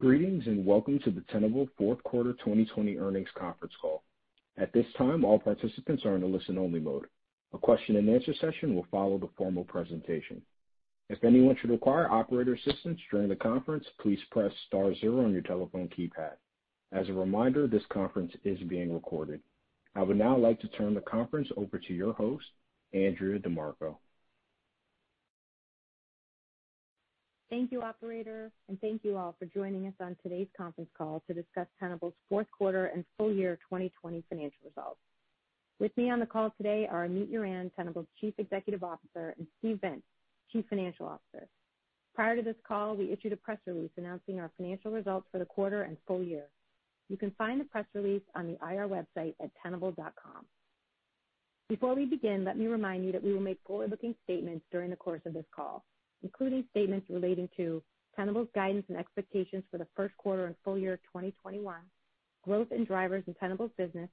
Greetings and welcome to the Tenable Q4 2020 Earnings Conference Call. At this time, all participants are in a listen-only mode. A Q&A session will follow the formal presentation. If anyone should require operator assistance during the conference, please press star zero on your telephone keypad. As a reminder, this conference is being recorded. I would now like to turn the conference over to your host, Andrea DiMarco. Thank you, Operator, and thank you all for joining us on today's conference call to discuss Tenable's Q4 and Full Year 2020 Financial Results. With me on the call today are Amit Yoran, Tenable's Chief Executive Officer, and Steve Vintz, Chief Financial Officer. Prior to this call, we issued a press release announcing our financial results for the quarter and full year. You can find the press release on the IR website at tenable.com. Before we begin, let me remind you that we will make forward-looking statements during the course of this call, including statements relating to Tenable's guidance and expectations for the Q1 and Full Year 2021, growth and drivers in Tenable's business,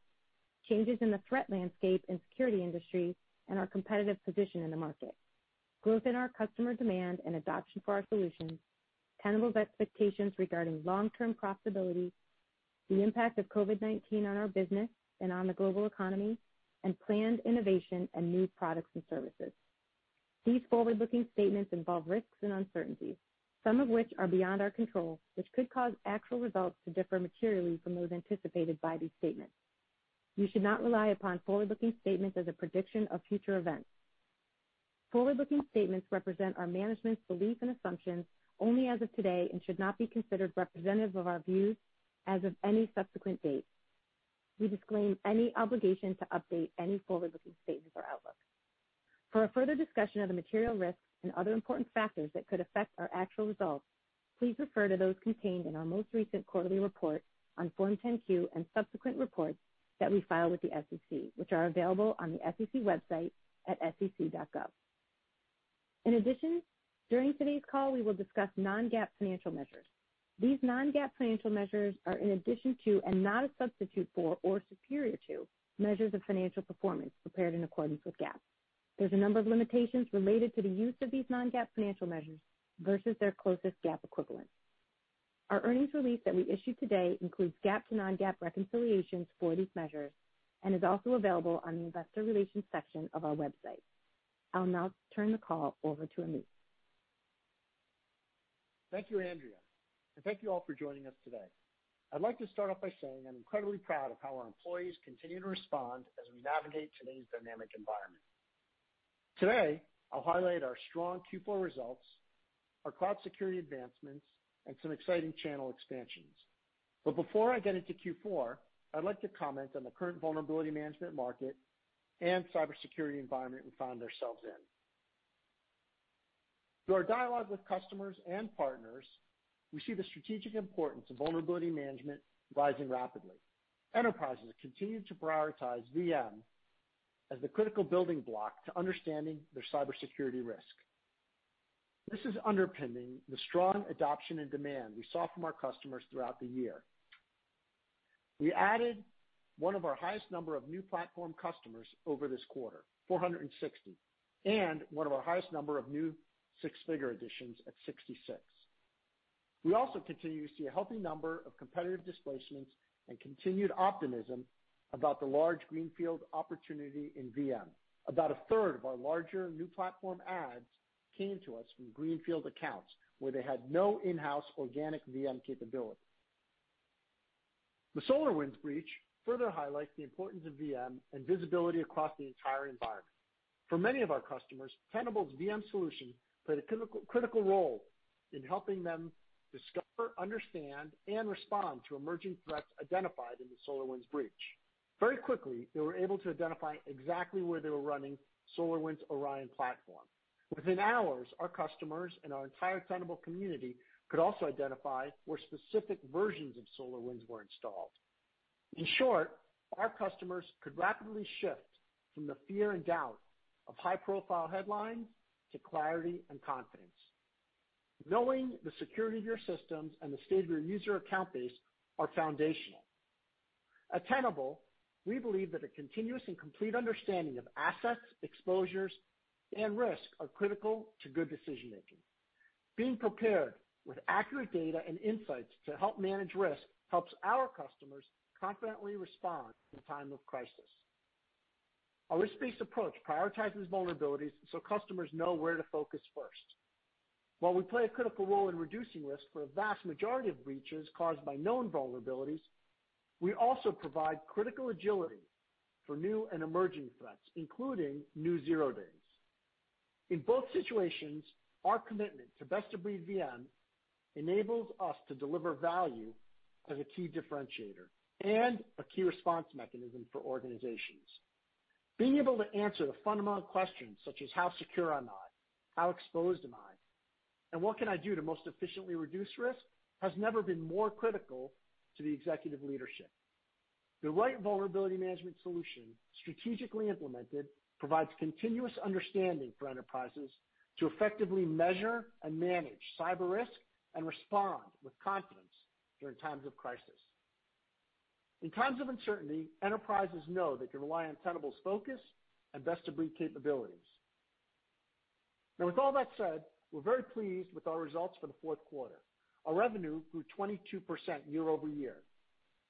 changes in the threat landscape and security industry, and our competitive position in the market, growth in our customer demand and adoption for our solutions, Tenable's expectations regarding long-term profitability, the impact of COVID-19 on our business and on the global economy, and planned innovation and new products and services. These forward-looking statements involve risks and uncertainties, some of which are beyond our control, which could cause actual results to differ materially from those anticipated by these statements. You should not rely upon forward-looking statements as a prediction of future events. Forward-looking statements represent our management's beliefs and assumptions only as of today and should not be considered representative of our views as of any subsequent date. We disclaim any obligation to update any forward-looking statements or outlook. For further discussion of the material risks and other important factors that could affect our actual results, please refer to those contained in our most recent quarterly report on Form 10-Q and subsequent reports that we file with the SEC, which are available on the SEC website at sec.gov. In addition, during today's call, we will discuss non-GAAP financial measures. These non-GAAP financial measures are in addition to and not a substitute for or superior to measures of financial performance prepared in accordance with GAAP. There's a number of limitations related to the use of these non-GAAP financial measures versus their closest GAAP equivalent. Our earnings release that we issued today includes GAAP to non-GAAP reconciliations for these measures and is also available on the investor relations section of our website. I'll now turn the call over to Amit. Thank you, Andrea, and thank you all for joining us today. I'd like to start off by saying I'm incredibly proud of how our employees continue to respond as we navigate today's dynamic environment. Today, I'll highlight our strong Q4 results, our cloud security advancements, and some exciting channel expansions. But before I get into Q4, I'd like to comment on the current vulnerability management market and cybersecurity environment we find ourselves in. Through our dialogue with customers and partners, we see the strategic importance of vulnerability management rising rapidly. Enterprises continue to prioritize VM as the critical building block to understanding their cybersecurity risk. This is underpinning the strong adoption and demand we saw from our customers throughout the year. We added one of our highest number of new platform customers over this quarter, 460, and one of our highest number of new six-figure additions at 66. We also continue to see a healthy number of competitive displacements and continued optimism about the large greenfield opportunity in VM. About a third of our larger new platform adds came to us from greenfield accounts where they had no in-house organic VM capability. The SolarWinds breach further highlights the importance of VM and visibility across the entire environment. For many of our customers, Tenable's VM solution played a critical role in helping them discover, understand, and respond to emerging threats identified in the SolarWinds breach. Very quickly, they were able to identify exactly where they were running SolarWinds Orion platform. Within hours, our customers and our entire Tenable community could also identify where specific versions of SolarWinds were installed. In short, our customers could rapidly shift from the fear and doubt of high-profile headlines to clarity and confidence. Knowing the security of your systems and the state of your user account base are foundational. At Tenable, we believe that a continuous and complete understanding of assets, exposures, and risk are critical to good decision-making. Being prepared with accurate data and insights to help manage risk helps our customers confidently respond in times of crisis. Our risk-based approach prioritizes vulnerabilities so customers know where to focus first. While we play a critical role in reducing risk for a vast majority of breaches caused by known vulnerabilities, we also provide critical agility for new and emerging threats, including new zero-days. In both situations, our commitment to best-of-breed VM enables us to deliver value as a key differentiator and a key response mechanism for organizations. Being able to answer the fundamental questions such as, "How secure am I? How exposed am I? And what can I do to most efficiently reduce risk?" has never been more critical to the executive leadership. The right vulnerability management solution, strategically implemented, provides continuous understanding for enterprises to effectively measure and manage cyber risk and respond with confidence during times of crisis. In times of uncertainty, enterprises know they can rely on Tenable's focus and best-of-breed capabilities. Now, with all that said, we're very pleased with our results for the Q4. Our revenue grew 22% year over year.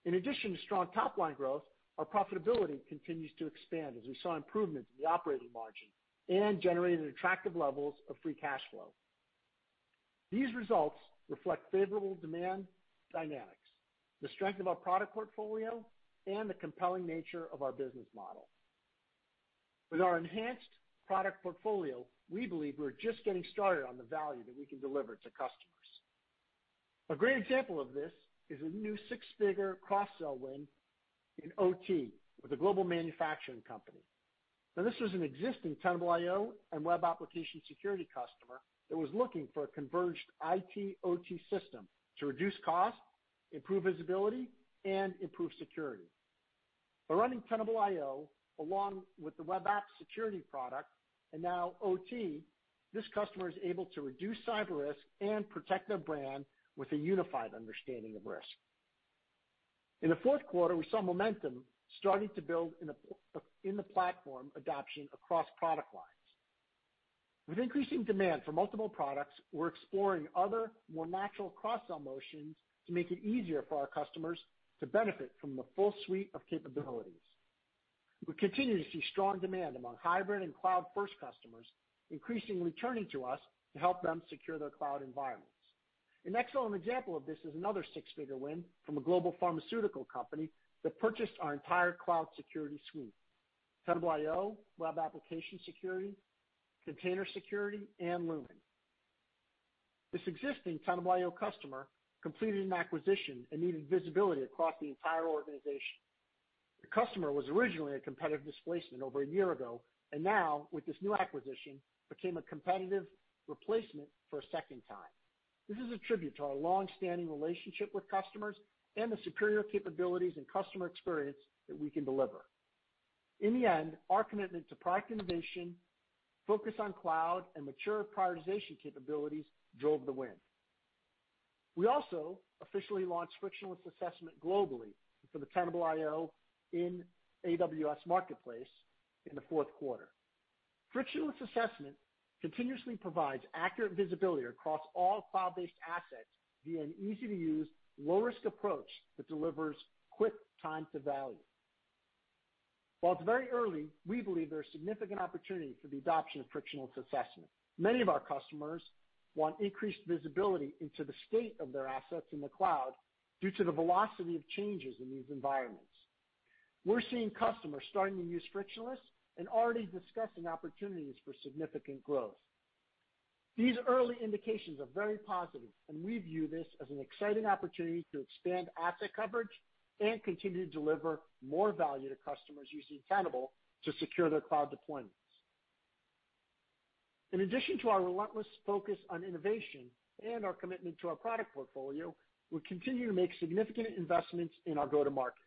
In addition to strong top-line growth, our profitability continues to expand as we saw improvements in the operating margin and generated attractive levels of free cash flow. These results reflect favorable demand dynamics, the strength of our product portfolio, and the compelling nature of our business model. With our enhanced product portfolio, we believe we're just getting started on the value that we can deliver to customers. A great example of this is a new six-figure cross-sell win in OT with a global manufacturing company. Now, this was an existing Tenable.io and Web Application Security customer that was looking for a converged IT OT system to reduce cost, improve visibility, and improve security. By running Tenable.io along with the web app security product and now OT, this customer is able to reduce cyber risk and protect their brand with a unified understanding of risk. In the Q4, we saw momentum starting to build in the platform adoption across product lines. With increasing demand for multiple products, we're exploring other, more natural cross-sell motions to make it easier for our customers to benefit from the full suite of capabilities. We continue to see strong demand among hybrid and cloud-first customers increasingly turning to us to help them secure their cloud environments. An excellent example of this is another six-figure win from a global pharmaceutical company that purchased our entire cloud security suite: Tenable.io, Web Application Security, Container Security, and Lumin. This existing Tenable.io customer completed an acquisition and needed visibility across the entire organization. The customer was originally a competitive displacement over a year ago and now, with this new acquisition, became a competitive replacement for a second time. This is a tribute to our long-standing relationship with customers and the superior capabilities and customer experience that we can deliver. In the end, our commitment to product innovation, focus on cloud, and mature prioritization capabilities drove the win. We also officially launched Frictionless Assessment globally for the Tenable.io in AWS Marketplace in the Q4. Frictionless Assessment continuously provides accurate visibility across all cloud-based assets via an easy-to-use, low-risk approach that delivers quick time to value. While it's very early, we believe there's significant opportunity for the adoption of Frictionless Assessment. Many of our customers want increased visibility into the state of their assets in the cloud due to the velocity of changes in these environments. We're seeing customers starting to use frictionless and already discussing opportunities for significant growth. These early indications are very positive, and we view this as an exciting opportunity to expand asset coverage and continue to deliver more value to customers using Tenable to secure their cloud deployments. In addition to our relentless focus on innovation and our commitment to our product portfolio, we continue to make significant investments in our go-to-market.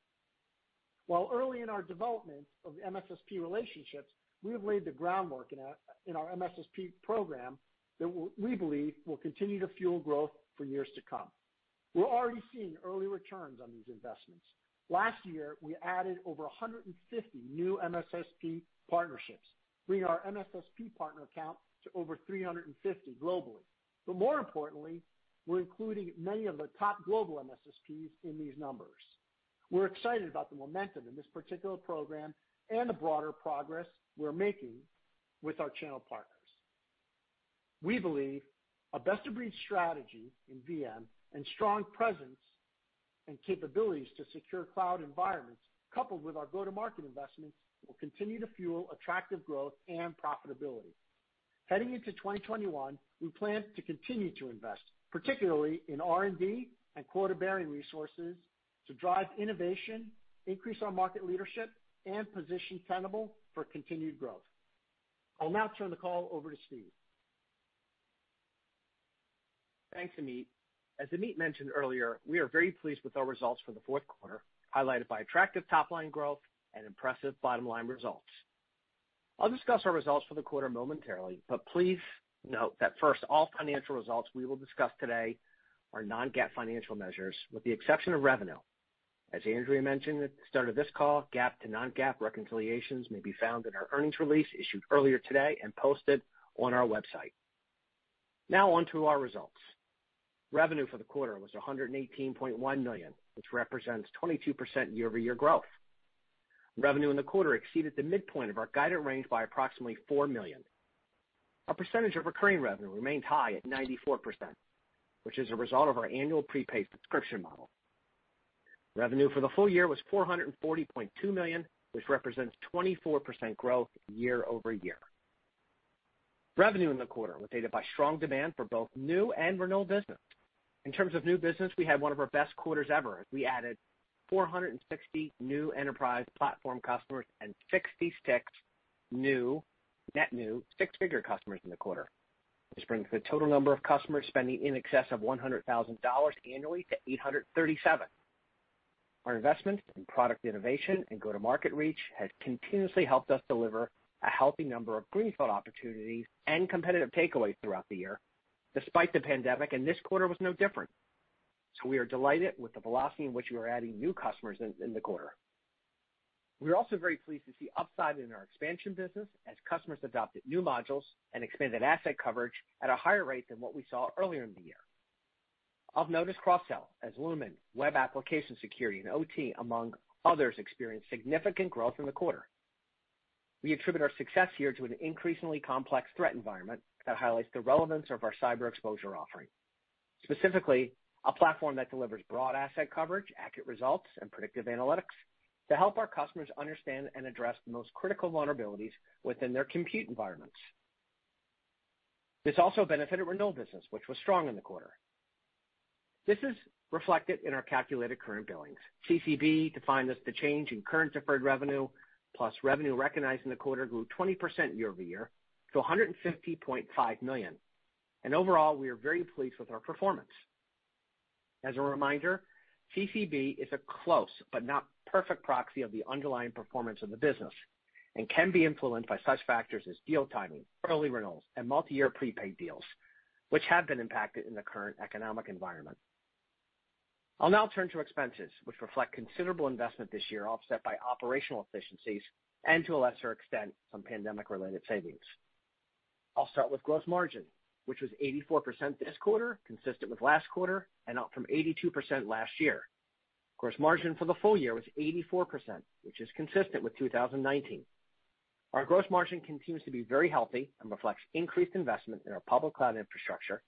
While early in our development of MSSP relationships, we have laid the groundwork in our MSSP program that we believe will continue to fuel growth for years to come. We're already seeing early returns on these investments. Last year, we added over 150 new MSSP partnerships, bringing our MSSP partner count to over 350 globally. But more importantly, we're including many of the top global MSSPs in these numbers. We're excited about the momentum in this particular program and the broader progress we're making with our channel partners. We believe a best-of-breed strategy in VM and strong presence and capabilities to secure cloud environments, coupled with our go-to-market investments, will continue to fuel attractive growth and profitability. Heading into 2021, we plan to continue to invest, particularly in R&D and quota-bearing resources to drive innovation, increase our market leadership, and position Tenable for continued growth. I'll now turn the call over to Steve. Thanks, Amit. As Amit mentioned earlier, we are very pleased with our results for the Q4, highlighted by attractive top-line growth and impressive bottom-line results. I'll discuss our results for the quarter momentarily, but please note that first, all financial results we will discuss today are non-GAAP financial measures with the exception of revenue. As Andrea mentioned at the start of this call, GAAP to non-GAAP reconciliations may be found in our earnings release issued earlier today and posted on our website. Now, on to our results. Revenue for the quarter was $118.1 million, which represents 22% year-over-year growth. Revenue in the quarter exceeded the midpoint of our guided range by approximately $4 million. Our percentage of recurring revenue remained high at 94%, which is a result of our annual prepaid subscription model. Revenue for the full year was $440.2 million, which represents 24% growth year-over-year. Revenue in the quarter was driven by strong demand for both new and renewal business. In terms of new business, we had one of our best quarters ever as we added 460 new enterprise platform customers and 66 new, net new, six-figure customers in the quarter, which brings the total number of customers spending in excess of $100,000 annually to 837. Our investment in product innovation and go-to-market reach has continuously helped us deliver a healthy number of greenfield opportunities and competitive takeaways throughout the year, despite the pandemic, and this quarter was no different. So we are delighted with the velocity in which we are adding new customers in the quarter. We're also very pleased to see upside in our expansion business as customers adopted new modules and expanded asset coverage at a higher rate than what we saw earlier in the year. Of note is cross-sell as Lumin, Web Application Security, and OT, among others, experienced significant growth in the quarter. We attribute our success here to an increasingly complex threat environment that highlights the relevance of our Cyber Exposure offering, specifically a platform that delivers broad asset coverage, accurate results, and predictive analytics to help our customers understand and address the most critical vulnerabilities within their compute environments. This also benefited renewal business, which was strong in the quarter. This is reflected in our calculated current billings. CCB defined as the change in current deferred revenue plus revenue recognized in the quarter grew 20% year-over-year to $150.5 million, and overall, we are very pleased with our performance. As a reminder, CCB is a close but not perfect proxy of the underlying performance of the business and can be influenced by such factors as deal timing, early renewals, and multi-year prepaid deals, which have been impacted in the current economic environment. I'll now turn to expenses, which reflect considerable investment this year offset by operational efficiencies and, to a lesser extent, some pandemic-related savings. I'll start with gross margin, which was 84% this quarter, consistent with last quarter, and up from 82% last year. Gross margin for the full year was 84%, which is consistent with 2019. Our gross margin continues to be very healthy and reflects increased investment in our public cloud infrastructure.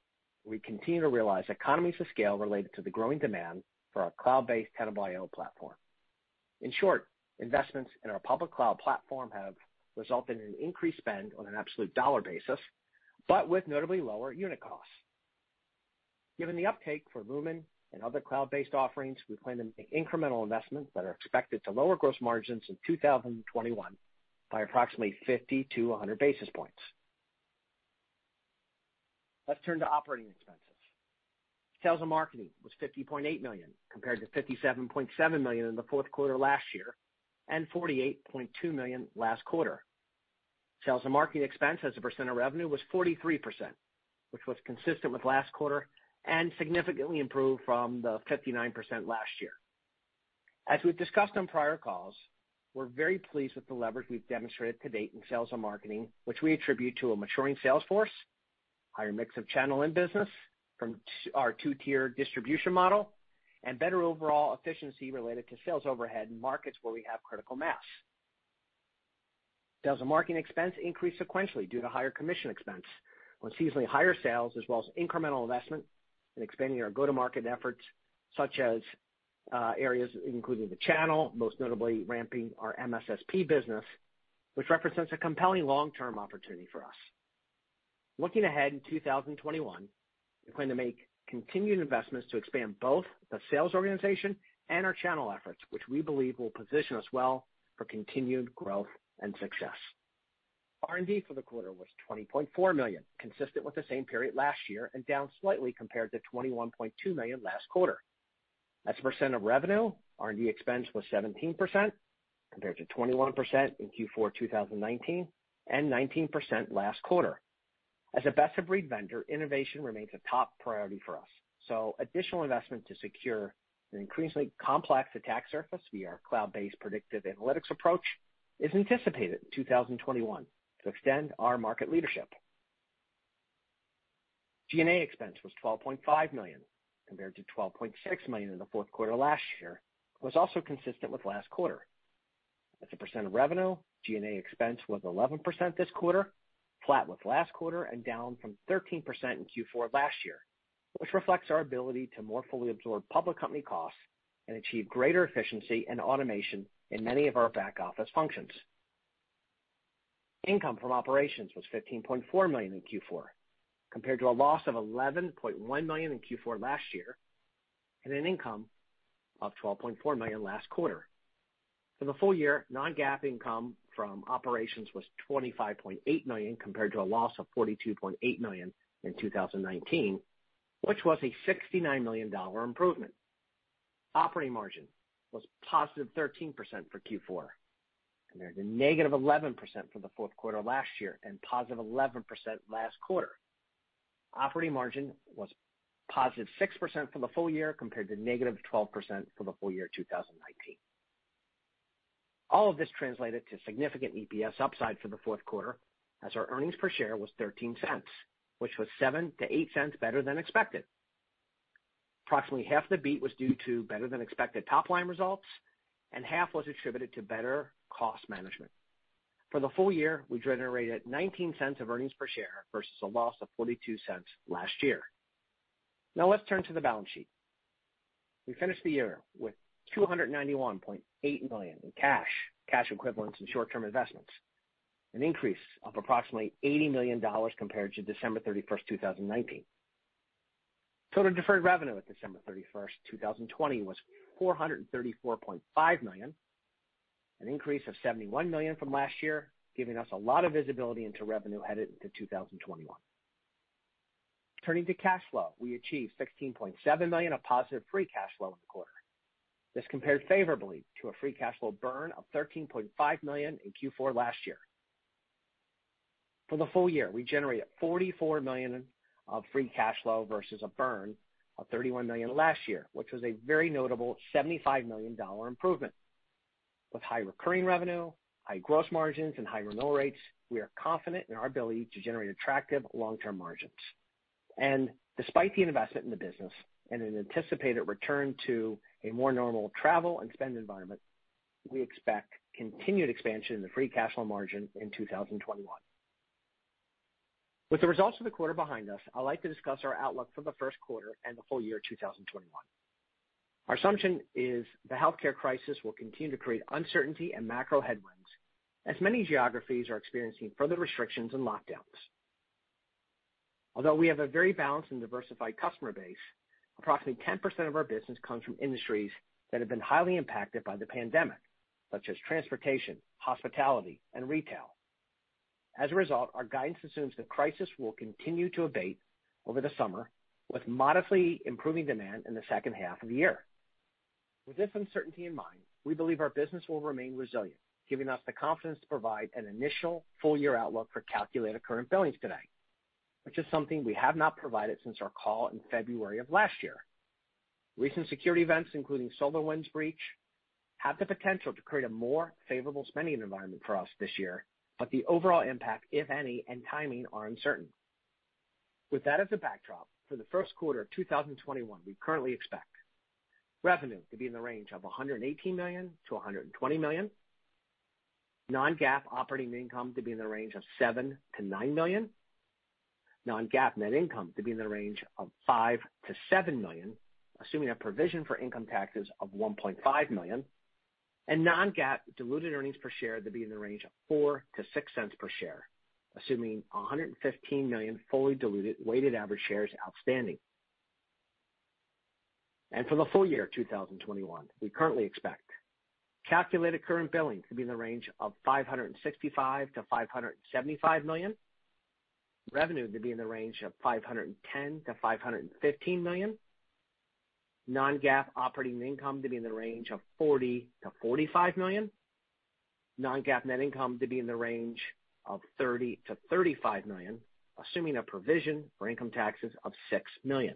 We continue to realize economies of scale related to the growing demand for our cloud-based Tenable.io platform. In short, investments in our public cloud platform have resulted in an increased spend on an absolute dollar basis, but with notably lower unit costs. Given the uptake for Lumen and other cloud-based offerings, we plan to make incremental investments that are expected to lower gross margins in 2021 by approximately 50 to 100 basis points. Let's turn to operating expenses. Sales and marketing was $50.8 million compared to $57.7 million in the Q4 last year and $48.2 million last quarter. Sales and marketing expense as a percent of revenue was 43%, which was consistent with last quarter and significantly improved from the 59% last year. As we've discussed on prior calls, we're very pleased with the leverage we've demonstrated to date in sales and marketing, which we attribute to a maturing sales force, a higher mix of channel and business from our two-tier distribution model, and better overall efficiency related to sales overhead in markets where we have critical mass. Sales and marketing expense increased sequentially due to higher commission expense, with seasonally higher sales as well as incremental investment in expanding our go-to-market efforts, such as areas including the channel, most notably ramping our MSSP business, which represents a compelling long-term opportunity for us. Looking ahead in 2021, we plan to make continued investments to expand both the sales organization and our channel efforts, which we believe will position us well for continued growth and success. R&D for the quarter was $20.4 million, consistent with the same period last year and down slightly compared to $21.2 million last quarter. As a percent of revenue, R&D expense was 17% compared to 21% in Q4 2019 and 19% last quarter. As a best-of-breed vendor, innovation remains a top priority for us. So additional investment to secure an increasingly complex attack surface via our cloud-based predictive analytics approach is anticipated in 2021 to extend our market leadership. G&A expense was $12.5 million compared to $12.6 million in the Q4 last year, which was also consistent with last quarter. As a percent of revenue, G&A expense was 11% this quarter, flat with last quarter and down from 13% in Q4 last year, which reflects our ability to more fully absorb public company costs and achieve greater efficiency and automation in many of our back-office functions. Income from operations was $15.4 million in Q4 compared to a loss of $11.1 million in Q4 last year and an income of $12.4 million last quarter. For the full year, non-GAAP income from operations was $25.8 million compared to a loss of $42.8 million in 2019, which was a $69 million improvement. Operating margin was positive 13% for Q4, compared to negative 11% for the Q4 last year and positive 11% last quarter. Operating margin was positive 6% for the full year compared to negative 12% for the full year 2019. All of this translated to significant EPS upside for the Q4 as our earnings per share was $0.13, which was $0.07 to $0.08 better than expected. Approximately half the beat was due to better-than-expected top-line results, and half was attributed to better cost management. For the full year, we generated $0.19 of earnings per share versus a loss of $0.42 last year. Now, let's turn to the balance sheet. We finished the year with $291.8 million in cash, cash equivalents, and short-term investments, an increase of approximately $80 million compared to December 31st, 2019. Total deferred revenue at December 31st, 2020, was $434.5 million, an increase of $71 million from last year, giving us a lot of visibility into revenue headed into 2021. Turning to cash flow, we achieved $16.7 million of positive free cash flow in the quarter. This compared favorably to a free cash flow burn of $13.5 million in Q4 last year. For the full year, we generated $44 million of free cash flow versus a burn of $31 million last year, which was a very notable $75 million improvement. With high recurring revenue, high gross margins, and high renewal rates, we are confident in our ability to generate attractive long-term margins. And despite the investment in the business and an anticipated return to a more normal travel and spend environment, we expect continued expansion in the free cash flow margin in 2021. With the results of the quarter behind us, I'd like to discuss our outlook for the Q1 and the full year 2021. Our assumption is the healthcare crisis will continue to create uncertainty and macro headwinds as many geographies are experiencing further restrictions and lockdowns. Although we have a very balanced and diversified customer base, approximately 10% of our business comes from industries that have been highly impacted by the pandemic, such as transportation, hospitality, and retail. As a result, our guidance assumes the crisis will continue to abate over the summer, with modestly improving demand in the second half of the year. With this uncertainty in mind, we believe our business will remain resilient, giving us the confidence to provide an initial full-year outlook for calculated current billings today, which is something we have not provided since our call in February of last year. Recent security events, including SolarWinds breach, have the potential to create a more favorable spending environment for us this year, but the overall impact, if any, and timing are uncertain With that as a backdrop, for the Q1 of 2021, we currently expect revenue to be in the range of $118 million to 120 million, non-GAAP operating income to be in the range of $7 million to 9 million, non-GAAP net income to be in the range of $5 million to 7 million, assuming a provision for income taxes of $1.5 million, and non-GAAP diluted earnings per share to be in the range of $0.04 to $0.06 per share, assuming 115 million fully diluted weighted average shares outstanding. And for the full year 2021, we currently expect calculated current billing to be in the range of $565 million to 575 million, revenue to be in the range of $510 million to 515 million, non-GAAP operating income to be in the range of $40 million to 45 million, non-GAAP net income to be in the range of $30 million to 35 million, assuming a provision for income taxes of $6 million.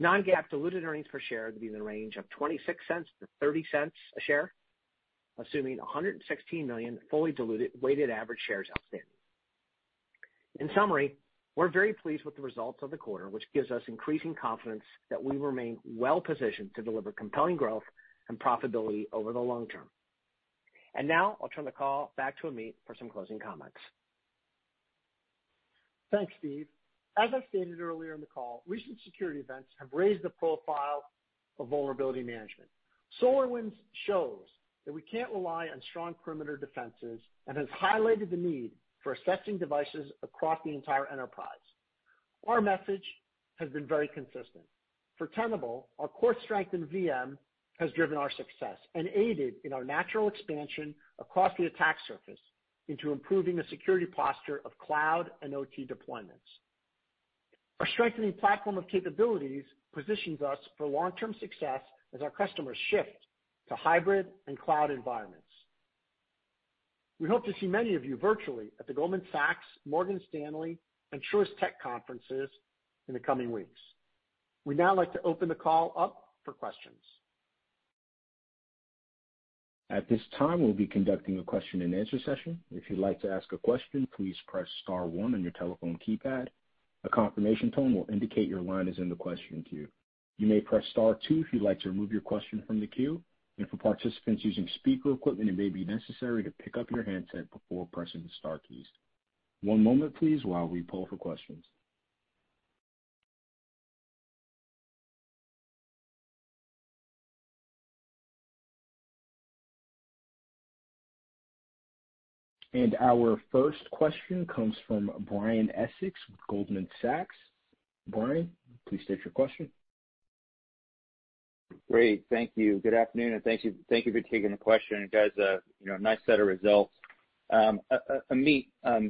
Non-GAAP diluted earnings per share to be in the range of $0.26 to $0.30 a share, assuming 116 million fully diluted weighted average shares outstanding. In summary, we're very pleased with the results of the quarter, which gives us increasing confidence that we remain well-positioned to deliver compelling growth and profitability over the long term. And now, I'll turn the call back to Amit for some closing comments. Thanks, Steve. As I stated earlier in the call, recent security events have raised the profile of vulnerability management. SolarWinds shows that we can't rely on strong perimeter defenses and has highlighted the need for assessing devices across the entire enterprise. Our message has been very consistent. For Tenable, our core strength in VM has driven our success and aided in our natural expansion across the attack surface into improving the security posture of cloud and OT deployments. Our strengthening platform of capabilities positions us for long-term success as our customers shift to hybrid and cloud environments. We hope to see many of you virtually at the Goldman Sachs, Morgan Stanley, and Schwab Tech conferences in the coming weeks. We'd now like to open the call up for questions. At this time, we'll be conducting a question-and-answer session. If you'd like to ask a question, please press star one on your telephone keypad. A confirmation tone will indicate your line is in the question queue. You may press star two if you'd like to remove your question from the queue. And for participants using speaker equipment, it may be necessary to pick up your handset before pressing the star keys. One moment, please, while we poll for questions. And our first question comes from Brian Essex with Goldman Sachs. Brian, please state your question. Great. Thank you. Good afternoon, and thank you for taking the question. You guys have a nice set of results. Amit,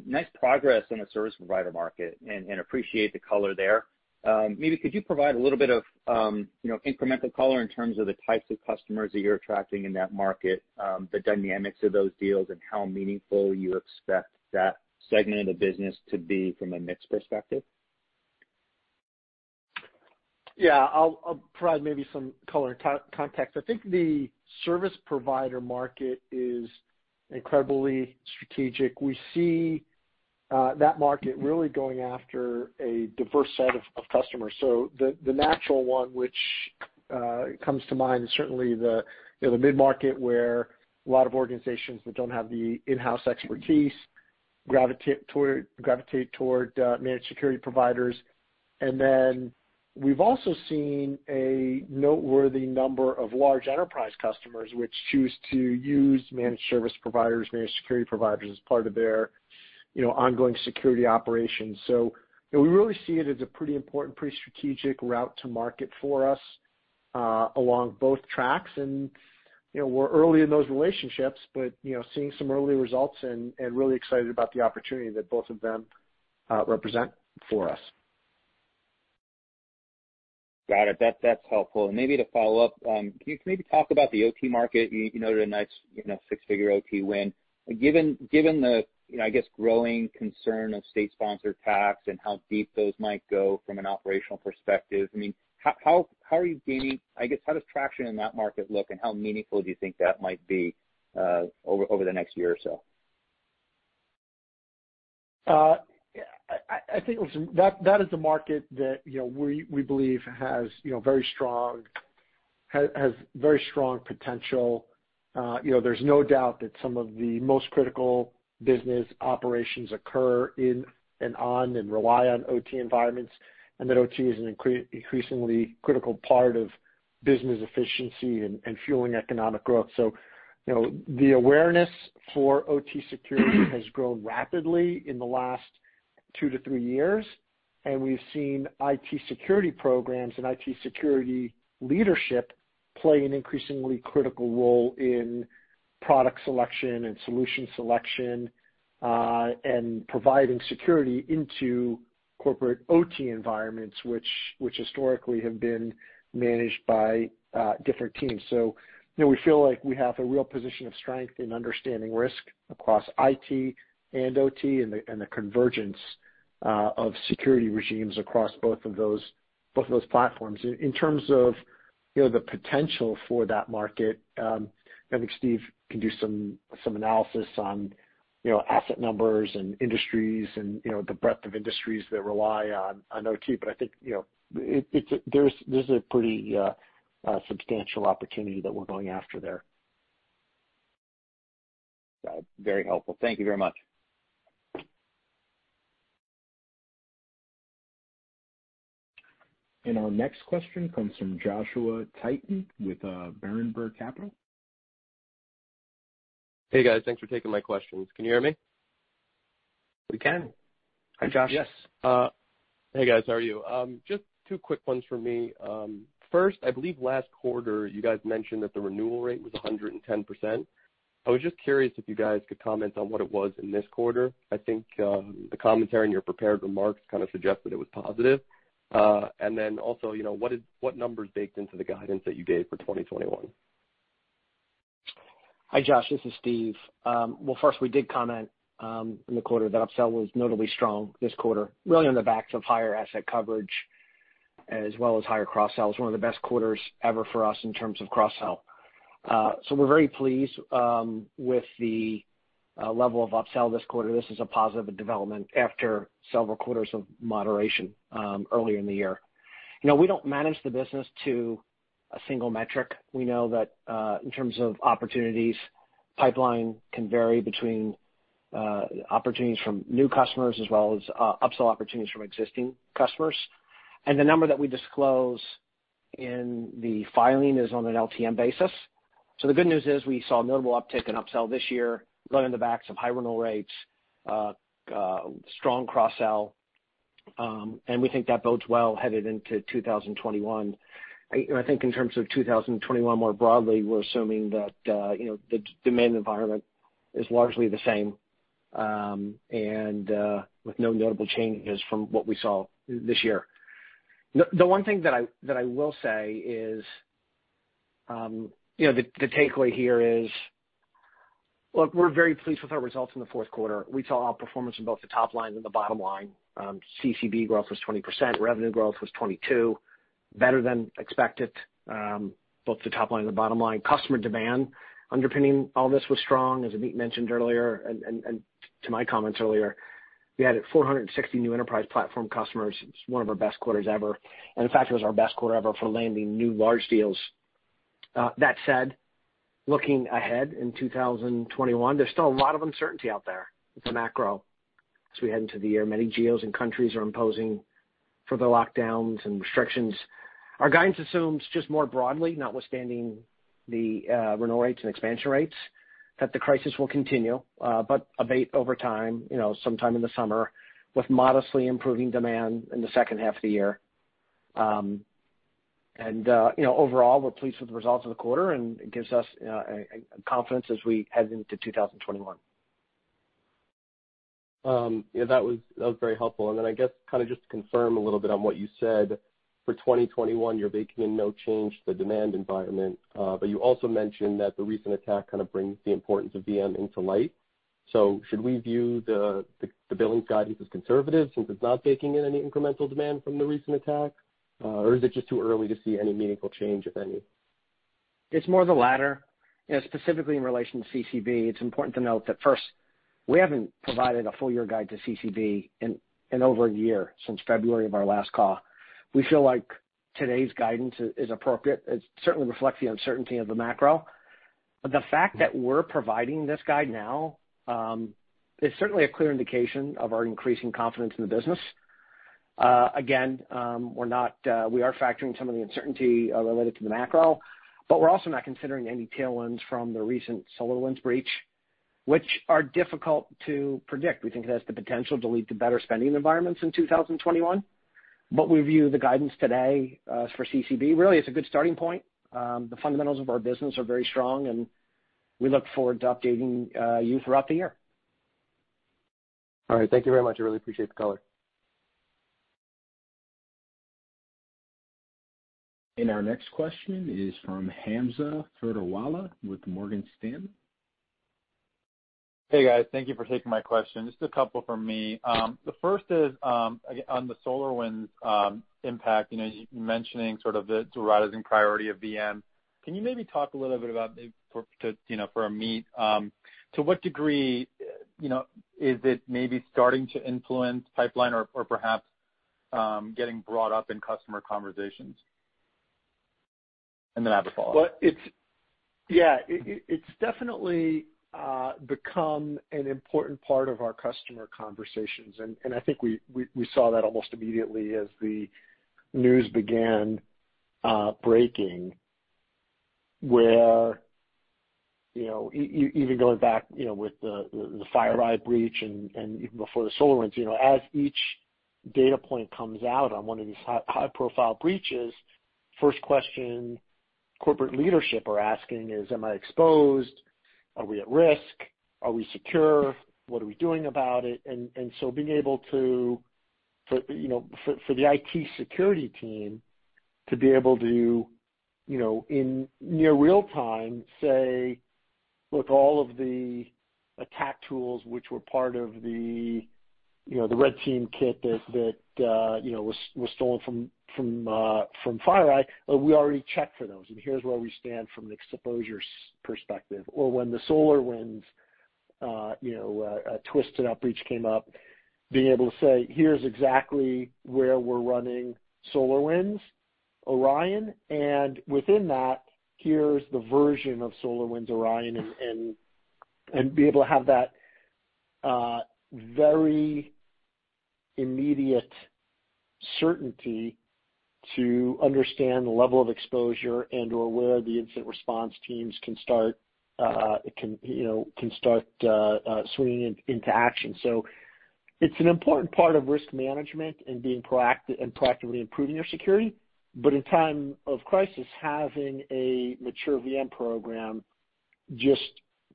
nice progress on the service provider market, and I appreciate the color there. Maybe could you provide a little bit of incremental color in terms of the types of customers that you're attracting in that market, the dynamics of those deals, and how meaningful you expect that segment of the business to be from a mixed perspective? Yeah. I'll provide maybe some color and context. I think the service provider market is incredibly strategic. We see that market really going after a diverse set of customers. So the natural one which comes to mind is certainly the mid-market where a lot of organizations that don't have the in-house expertise gravitate toward managed security providers. And then we've also seen a noteworthy number of large enterprise customers which choose to use managed service providers, managed security providers as part of their ongoing security operations. So we really see it as a pretty important, pretty strategic route to market for us along both tracks. And we're early in those relationships, but seeing some early results and really excited about the opportunity that both of them represent for us. Got it. That's helpful. And maybe to follow up, can you maybe talk about the OT market? You noted a nice six-figure OT win. Given the, I guess, growing concern of state-sponsored attacks and how deep those might go from an operational perspective, I mean, how are you gaining, I guess, how does traction in that market look, and how meaningful do you think that might be over the next year or so? I think that is a market that we believe has very strong potential. There's no doubt that some of the most critical business operations occur in and on and rely on OT environments, and that OT is an increasingly critical part of business efficiency and fueling economic growth. So the awareness for OT security has grown rapidly in the last two to three years, and we've seen IT security programs and IT security leadership play an increasingly critical role in product selection and solution selection and providing security into corporate OT environments, which historically have been managed by different teams. So we feel like we have a real position of strength in understanding risk across IT and OT and the convergence of security regimes across both of those platforms. In terms of the potential for that market, I think Steve can do some analysis on asset numbers and industries and the breadth of industries that rely on OT, but I think there's a pretty substantial opportunity that we're going after there. Got it. Very helpful. Thank you very much. And our next question comes from Joshua Tilton with Berenberg Capital. Hey, guys. Thanks for taking my questions. Can you hear me? We can. Hi, Josh. Yes. Hey, guys. How are you? Just two quick ones for me. First, I believe last quarter, you guys mentioned that the renewal rate was 110%. I was just curious if you guys could comment on what it was in this quarter. I think the commentary and your prepared remarks kind of suggest that it was positive. And then also, what numbers baked into the guidance that you gave for 2021? Hi, Josh. This is Steve. Well, first, we did comment in the quarter that upsell was notably strong this quarter, really on the backs of higher asset coverage as well as higher cross-sells. One of the best quarters ever for us in terms of cross-sell. So we're very pleased with the level of upsell this quarter. This is a positive development after several quarters of moderation earlier in the year. We don't manage the business to a single metric. We know that in terms of opportunities, pipeline can vary between opportunities from new customers as well as upsell opportunities from existing customers, and the number that we disclose in the filing is on an LTM basis, so the good news is we saw notable uptake in upsell this year, really on the backs of high renewal rates, strong cross-sell, and we think that bodes well headed into 2021. I think in terms of 2021 more broadly, we're assuming that the demand environment is largely the same and with no notable changes from what we saw this year. The one thing that I will say is the takeaway here is, look, we're very pleased with our results in the Q4. We saw outperformance in both the top line and the bottom line. CCB growth was 20%. Revenue growth was 22%, better than expected, both the top line and the bottom line. Customer demand underpinning all this was strong, as Amit mentioned earlier, and to my comments earlier, we had 460 new enterprise platform customers. It's one of our best quarters ever. And in fact, it was our best quarter ever for landing new large deals. That said, looking ahead in 2021, there's still a lot of uncertainty out there for macro as we head into the year. Many governments and countries are imposing further lockdowns and restrictions. Our guidance assumes just more broadly, notwithstanding the renewal rates and expansion rates, that the crisis will continue but abate over time, sometime in the summer, with modestly improving demand in the second half of the year. And overall, we're pleased with the results of the quarter, and it gives us confidence as we head into 2021. Yeah. That was very helpful, and then I guess kind of just to confirm a little bit on what you said, for 2021, you're baking in no change to the demand environment, but you also mentioned that the recent attack kind of brings the importance of VM into light, so should we view the billing guidance as conservative since it's not taking in any incremental demand from the recent attack, or is it just too early to see any meaningful change, if any? It's more the latter. Specifically in relation to CCB, it's important to note that first, we haven't provided a full-year guide to CCB in over a year since February of our last call. We feel like today's guidance is appropriate. It certainly reflects the uncertainty of the macro. The fact that we're providing this guide now is certainly a clear indication of our increasing confidence in the business. Again, we are factoring some of the uncertainty related to the macro, but we're also not considering any tailwinds from the recent SolarWinds breach, which are difficult to predict. We think that has the potential to lead to better spending environments in 2021, but we view the guidance today for CCB really as a good starting point. The fundamentals of our business are very strong, and we look forward to updating you throughout the year. All right. Thank you very much. I really appreciate the color. And our next question is from Hamza Fodderwala with Morgan Stanley. Hey, guys. Thank you for taking my question. Just a couple from me. The first is on the SolarWinds impact, you mentioning sort of the rising priority of VM. Can you maybe talk a little bit about, for Amit, to what degree is it maybe starting to influence pipeline or perhaps getting brought up in customer conversations? And then I have a follow-up. Yeah. It's definitely become an important part of our customer conversations. And I think we saw that almost immediately as the news began breaking, where even going back with the FireEye breach and even before the SolarWinds, as each data point comes out on one of these high-profile breaches, first question corporate leadership are asking is, "Am I exposed? Are we at risk? Are we secure? What are we doing about it?" And so being able to, for the IT security team, to be able to, in near real time, say, "Look, all of the attack tools which were part of the red team kit that was stolen from FireEye, we already checked for those, and here's where we stand from an exposure perspective." Or when the SolarWinds supply chain breach came up, being able to say, "Here's exactly where we're running SolarWinds Orion, and within that, here's the version of SolarWinds Orion," and be able to have that very immediate certainty to understand the level of exposure and/or where the incident response teams can start swinging into action. So it's an important part of risk management and being proactively improving your security, but in time of crisis, having a mature VM program just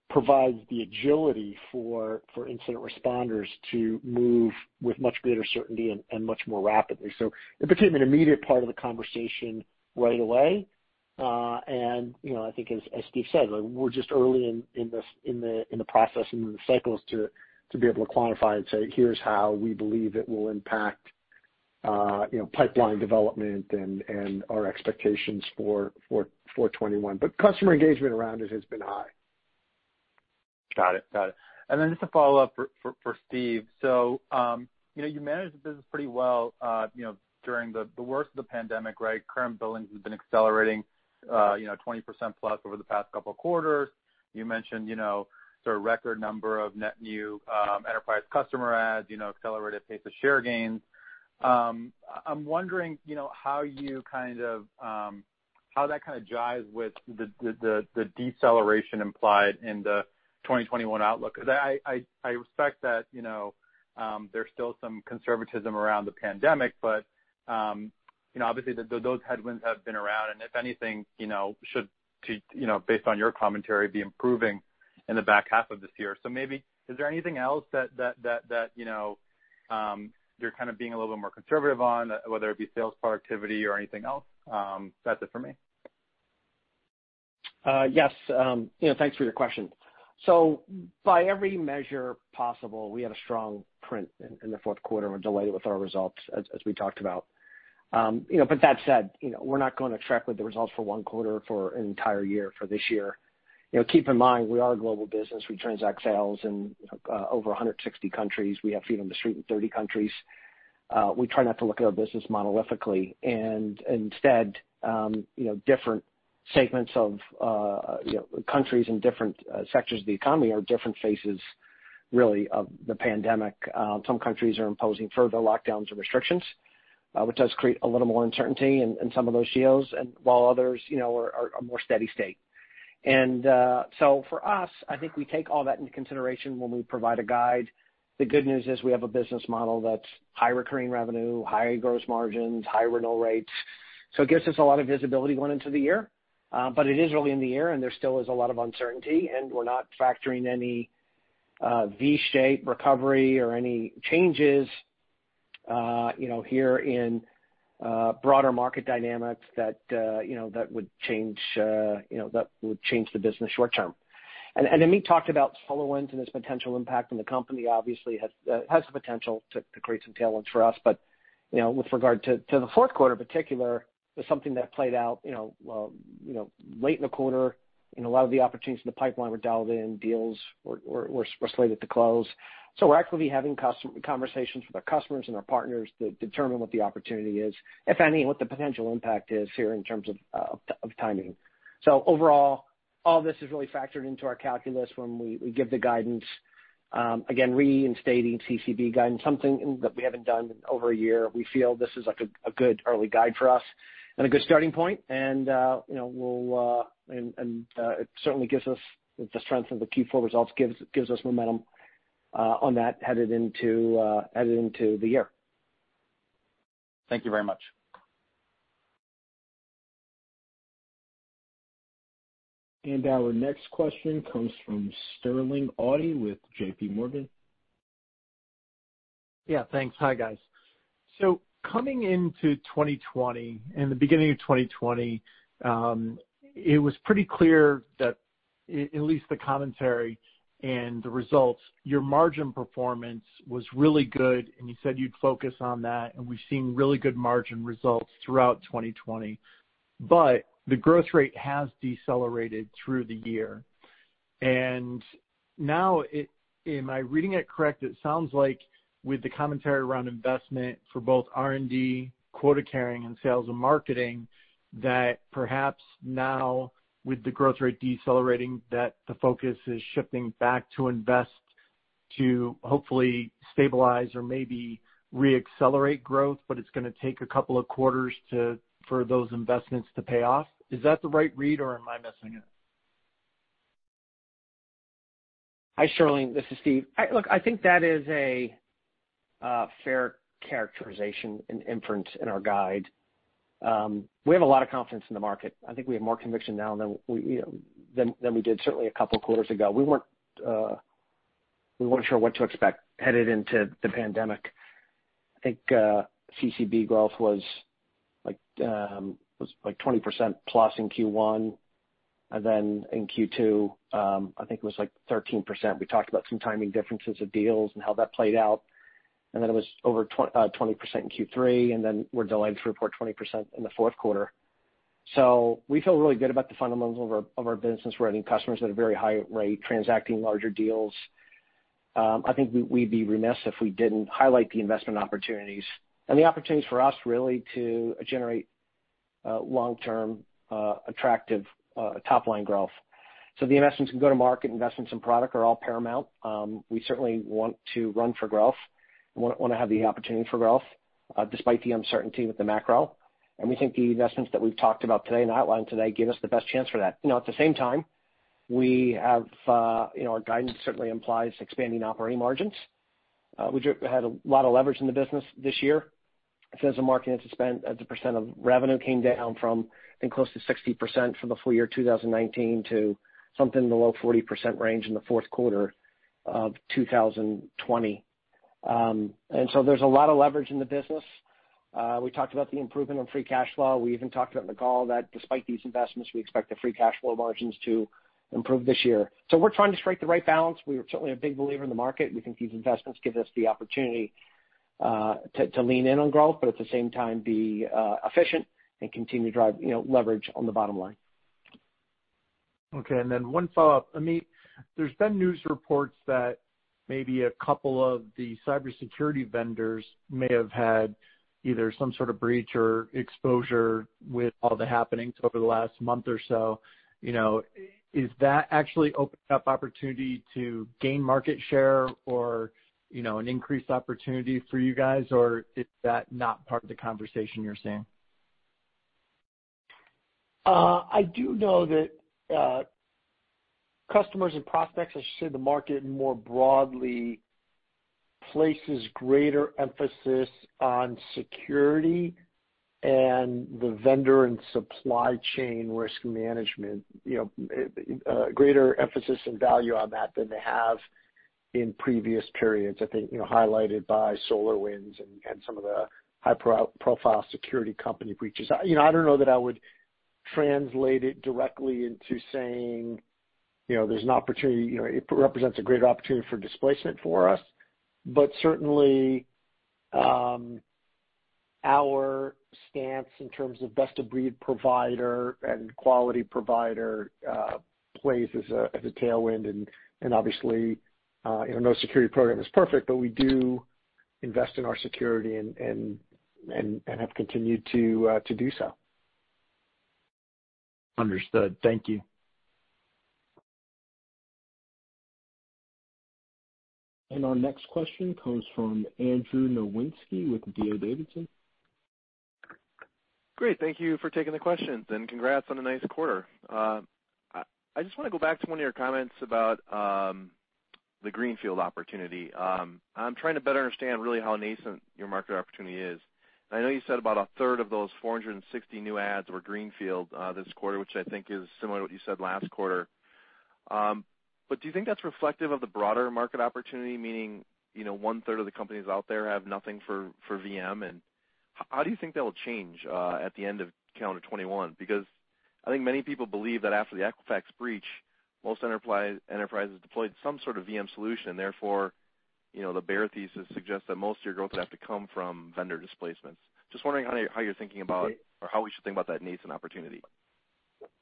provides the agility for incident responders to move with much greater certainty and much more rapidly. So it became an immediate part of the conversation right away. And I think, as Steve said, we're just early in the process and in the cycles to be able to quantify and say, "Here's how we believe it will impact pipeline development and our expectations for 2021." But customer engagement around it has been high. Got it. Got it. And then just to follow up for Steve, so you managed the business pretty well during the worst of the pandemic, right? Current billing has been accelerating 20% plus over the past couple of quarters. You mentioned sort of record number of net new enterprise customer adds, accelerated pace of share gains. I'm wondering how that kind of jives with the deceleration implied in the 2021 outlook. I respect that there's still some conservatism around the pandemic, but obviously, those headwinds have been around, and if anything, should, based on your commentary, be improving in the back half of this year. So maybe, is there anything else that you're kind of being a little bit more conservative on, whether it be sales productivity or anything else? That's it for me. Yes. Thanks for your question. So by every measure possible, we had a strong print in the Q4 and delivered it with our results, as we talked about. But that said, we're not going to track with the results for one quarter, for an entire year, for this year. Keep in mind, we are a global business. We transact sales in over 160 countries. We have feet on the street in 30 countries. We try not to look at our business monolithically, and instead, different segments of countries and different sectors of the economy are different faces, really, of the pandemic. Some countries are imposing further lockdowns and restrictions, which does create a little more uncertainty in some of those geos, while others are a more steady state, and so for us, I think we take all that into consideration when we provide a guide. The good news is we have a business model that's high recurring revenue, high gross margins, high renewal rates. It gives us a lot of visibility going into the year, but it is early in the year, and there still is a lot of uncertainty, and we're not factoring any V-shaped recovery or any changes here in broader market dynamics that would change the business short-term. Amit talked about SolarWinds and its potential impact on the company. Obviously, it has the potential to create some tailwinds for us, but with regard to the Q4 in particular, it was something that played out late in the quarter. A lot of the opportunities in the pipeline were dialed in. Deals were slated to close. We're actively having conversations with our customers and our partners to determine what the opportunity is, if any, and what the potential impact is here in terms of timing. So overall, all this is really factored into our calculus when we give the guidance, again, reinstating CCB guidance, something that we haven't done in over a year. We feel this is a good early guide for us and a good starting point, and it certainly gives us the strength of the Q4 results, gives us momentum on that headed into the year. Thank you very much. And our next question comes from Sterling Auty with JPMorgan. Yeah. Thanks. Hi, guys. So coming into 2020, in the beginning of 2020, it was pretty clear that, at least the commentary and the results, your margin performance was really good, and you said you'd focus on that, and we've seen really good margin results throughout 2020. But the growth rate has decelerated through the year. And now, am I reading it correct? It sounds like with the commentary around investment for both R&D, quota carrying, and sales and marketing, that perhaps now, with the growth rate decelerating, that the focus is shifting back to invest to hopefully stabilize or maybe re-accelerate growth, but it's going to take a couple of quarters for those investments to pay off. Is that the right read, or am I missing it? Hi, Sterling. This is Steve. Look, I think that is a fair characterization and inference in our guide. We have a lot of confidence in the market. I think we have more conviction now than we did certainly a couple of quarters ago. We weren't sure what to expect headed into the pandemic. I think CCB growth was like 20% plus in Q1, and then in Q2, I think it was like 13%. We talked about some timing differences of deals and how that played out, and then it was over 20% in Q3, and then we're delayed to report 20% in the Q4. So we feel really good about the fundamentals of our business. We're adding customers at a very high rate, transacting larger deals. I think we'd be remiss if we didn't highlight the investment opportunities and the opportunities for us really to generate long-term attractive top-line growth. So the investments in go-to-market, investments in product are all paramount. We certainly want to run for growth, want to have the opportunity for growth despite the uncertainty with the macro. And we think the investments that we've talked about today and outlined today give us the best chance for that. At the same time, our guidance certainly implies expanding operating margins. We had a lot of leverage in the business this year. Sales and marketing as a percent of revenue came down from, I think, close to 60% for the full year 2019 to something in the low 40% range in the Q4 of 2020. And so there's a lot of leverage in the business. We talked about the improvement in free cash flow. We even talked about in the call that despite these investments, we expect the free cash flow margins to improve this year. So we're trying to strike the right balance. We're certainly a big believer in the market. We think these investments give us the opportunity to lean in on growth, but at the same time, be efficient and continue to drive leverage on the bottom line. Okay. And then one follow-up. Amit, there's been news reports that maybe a couple of the cybersecurity vendors may have had either some sort of breach or exposure with all the happenings over the last month or so. Is that actually opening up opportunity to gain market share or an increased opportunity for you guys, or is that not part of the conversation you're seeing? I do know that customers and prospects, I should say the market more broadly, places greater emphasis on security and the vendor and supply chain risk management, greater emphasis and value on that than they have in previous periods, I think, highlighted by SolarWinds and some of the high-profile security company breaches. I don't know that I would translate it directly into saying there's an opportunity. It represents a greater opportunity for displacement for us, but certainly, our stance in terms of best-of-breed provider and quality provider plays as a tailwind, and obviously, no security program is perfect, but we do invest in our security and have continued to do so. Understood. Thank you. and our next question comes from Andrew Nowinski with D.A. Davidson. Great. Thank you for taking the questions, and congrats on a nice quarter. I just want to go back to one of your comments about the greenfield opportunity. I'm trying to better understand really how nascent your market opportunity is. I know you said about a third of those 460 new adds were greenfield this quarter, which I think is similar to what you said last quarter, but do you think that's reflective of the broader market opportunity, meaning one-third of the companies out there have nothing for VM? How do you think that will change at the end of calendar 2021? Because I think many people believe that after the Equifax breach, most enterprises deployed some sort of VM solution, and therefore, the bear thesis suggests that most of your growth would have to come from vendor displacements. Just wondering how you're thinking about or how we should think about that nascent opportunity.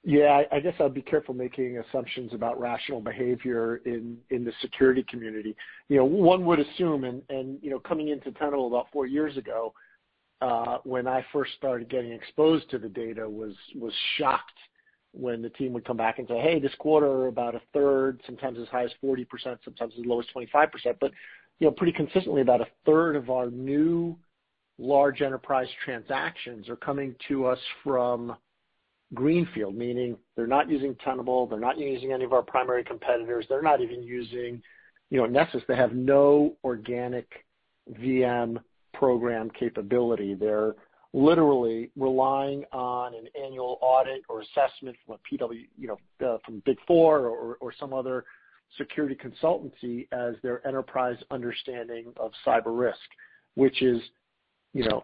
Yeah. I guess I'll be careful making assumptions about rational behavior in the security community. One would assume, and coming into Tenable about four years ago, when I first started getting exposed to the data, was shocked when the team would come back and say, "Hey, this quarter, about a third, sometimes as high as 40%, sometimes as low as 25%," but pretty consistently, about a third of our new large enterprise transactions are coming to us from greenfield, meaning they're not using Tenable at all. They're not using any of our primary competitors. They're not even using Nessus. They have no organic VM program capability. They're literally relying on an annual audit or assessment from a PwC from Big Four or some other security consultancy as their enterprise understanding of cyber risk, which I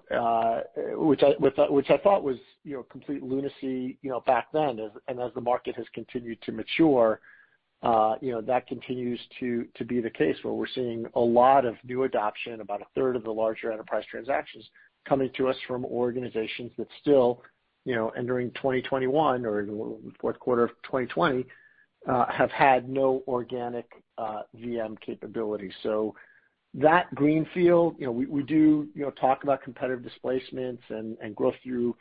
thought was complete lunacy back then, and as the market has continued to mature, that continues to be the case where we're seeing a lot of new adoption, about a third of the larger enterprise transactions coming to us from organizations that still, entering 2021 or the Q4 of 2020, have had no organic VM capability, so that greenfield, we do talk about competitive displacements and growth through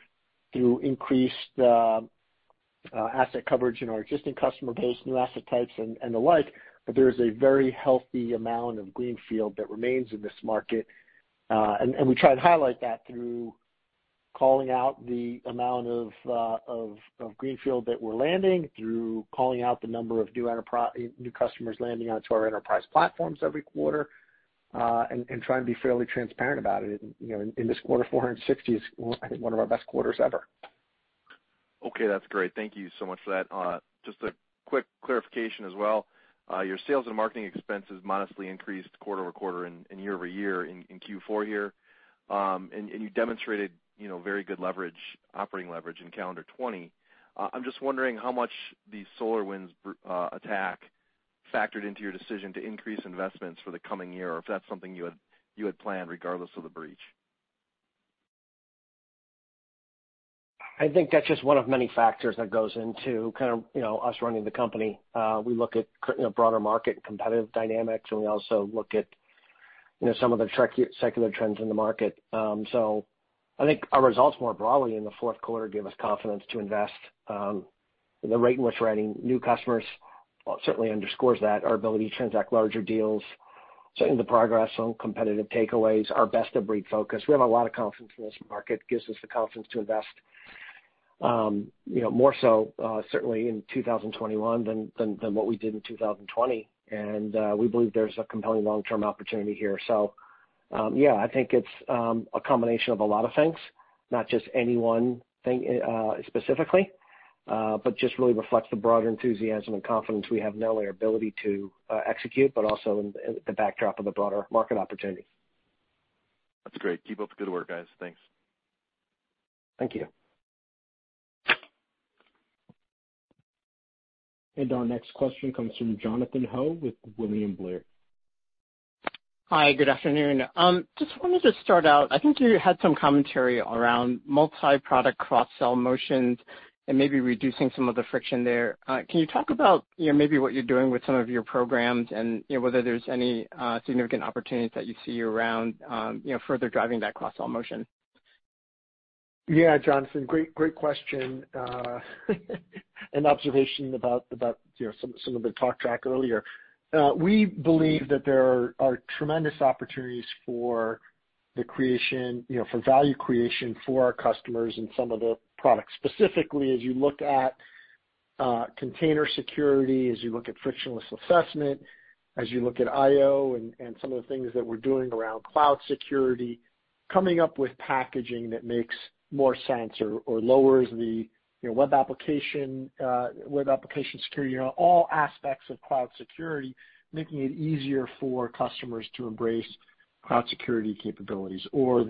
increased asset coverage in our existing customer base, new asset types, and the like, but there is a very healthy amount of greenfield that remains in this market. We try to highlight that through calling out the amount of Greenfield that we're landing, through calling out the number of new customers landing onto our enterprise platforms every quarter, and trying to be fairly transparent about it. In this quarter, 460 is, I think, one of our best quarters ever. Okay. That's great. Thank you so much for that. Just a quick clarification as well. Your sales and marketing expenses modestly increased quarter over quarter and year over year in Q4 here, and you demonstrated very good leverage, operating leverage in calendar 2020. I'm just wondering how much the SolarWinds attack factored into your decision to increase investments for the coming year, or if that's something you had planned regardless of the breach. I think that's just one of many factors that goes into kind of us running the company. We look at broader market and competitive dynamics, and we also look at some of the secular trends in the market, so I think our results more broadly in the Q4 gave us confidence to invest. The rate in which we're adding new customers certainly underscores that, our ability to transact larger deals, certainly the progress on competitive takeaways, our best-of-breed focus. We have a lot of confidence in this market. It gives us the confidence to invest more so, certainly, in 2021 than what we did in 2020, and we believe there's a compelling long-term opportunity here, so yeah, I think it's a combination of a lot of things, not just any one thing specifically, but just really reflects the broader enthusiasm and confidence we have now in our ability to execute, but also in the backdrop of the broader market opportunity. That's great. Keep up the good work, guys. Thanks. Thank you. And our next question comes from Jonathan Ho with William Blair. Hi. Good afternoon. Just wanted to start out. I think you had some commentary around multi-product cross-sell motions and maybe reducing some of the friction there. Can you talk about maybe what you're doing with some of your programs and whether there's any significant opportunities that you see around further driving that cross-sell motion? Yeah, Jonathan. Great question and observation about some of the talk track earlier. We believe that there are tremendous opportunities for value creation for our customers and some of the products. Specifically, as you look at container security, as you look at frictionless assessment, as you look at IO and some of the things that we're doing around cloud security, coming up with packaging that makes more sense or lowers the web application security, all aspects of cloud security, making it easier for customers to embrace cloud security capabilities or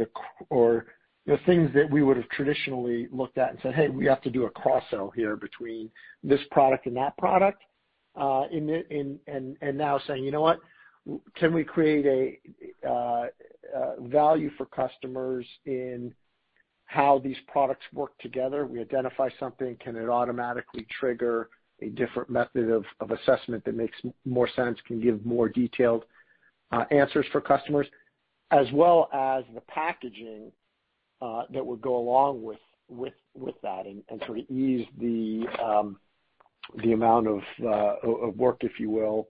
the things that we would have traditionally looked at and said, "Hey, we have to do a cross-sell here between this product and that product," and now saying, "You know what? Can we create a value for customers in how these products work together? We identify something. Can it automatically trigger a different method of assessment that makes more sense, can give more detailed answers for customers, as well as the packaging that would go along with that and sort of ease the amount of work, if you will,